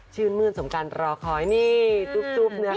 ชิ้นมืดสมกันรอคอยนี่จุ๊บเนี่ยค่ะ